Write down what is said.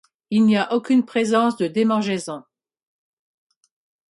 Il n'y a aucune présence de démangeaisons.